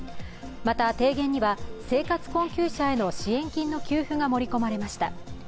また、提言には生活困窮者への支援金の給付が盛り込まれました。